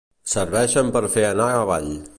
Serveixen per fer anar avall.